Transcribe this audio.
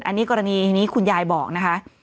อันนี้กรณีนี้คุณยายบอกนะคะ